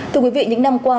thưa quý vị những năm qua